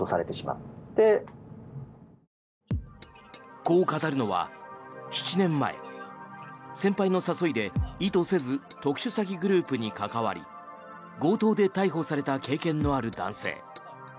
こう語るのは７年前、先輩の誘いで意図せず特殊詐欺グループに関わり強盗で逮捕された経験のある男性。